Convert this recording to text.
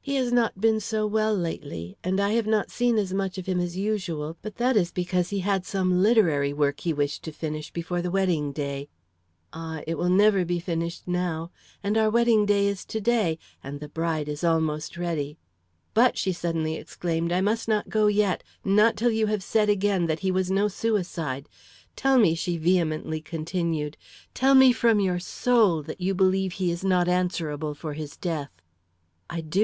"He has not been so well lately, and I have not seen as much of him as usual; but that is because he had some literary work he wished to finish before the wedding day. Ah, it will never be finished now! and our wedding day is to day! and the bride is almost ready. But!" she suddenly exclaimed, "I must not go yet not till you have said again that he was no suicide. Tell me," she vehemently continued "tell me from your soul that you believe he is not answerable for his death!" "I do!"